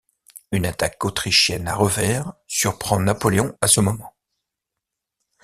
Une attaque autrichienne à revers surprend Napoléon à ce moment.